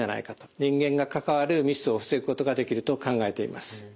人間が関わるミスを防ぐことができると考えています。